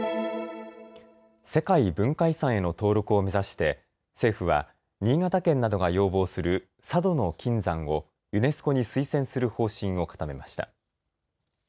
世界文化遺産への登録を目指して政府は、新潟県などが要望する佐渡島の金山をユネスコに推薦する方針を固めました。